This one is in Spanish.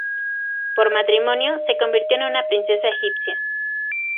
Por matrimonio se convirtió en una princesa egipcia.